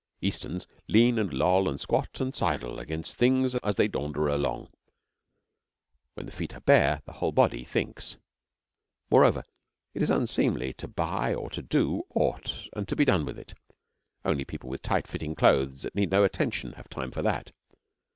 Easterns lean and loll and squat and sidle against things as they daunder along. When the feet are bare, the whole body thinks. Moreover, it is unseemly to buy or to do aught and be done with it. Only people with tight fitting clothes that need no attention have time for that.